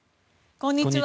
こんにちは。